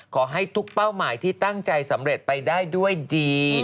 ขอให้ทุกเป้าหมายที่ตั้งใจสำเร็จไปได้ด้วยดี